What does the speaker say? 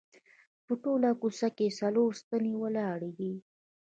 په ټوله کوڅه کې څلور ستنې ولاړې دي.